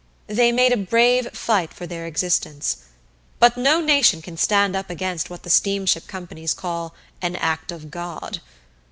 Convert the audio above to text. They made a brave fight for their existence, but no nation can stand up against what the steamship companies call "an act of God."